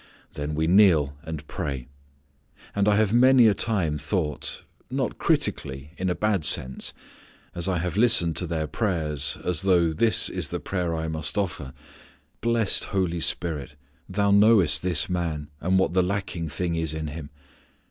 Then we kneel and pray. And I have many a time thought not critically in a bad sense as I have listened to their prayers, as though this is the prayer I must offer: "Blessed Holy Spirit, Thou knowest this man, and what the lacking thing is in him.